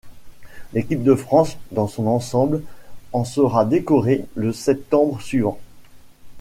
L'équipe de France dans son ensemble en sera décorée le septembre suivant.